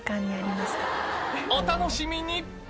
お楽しみに！